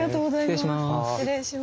失礼します。